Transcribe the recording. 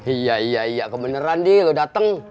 iya iya iya kebeneran di lo dateng